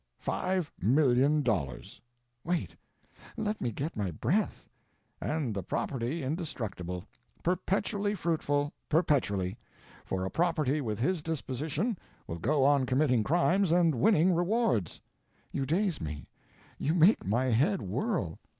Five million dollars!" "Wait—let me get my breath." "And the property indestructible. Perpetually fruitful—perpetually; for a property with his disposition will go on committing crimes and winning rewards." "You daze me, you make my head whirl!"